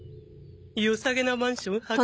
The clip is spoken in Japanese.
良さげなマンション発見。